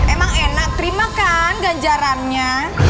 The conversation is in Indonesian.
emang enak terima kan ganjarannya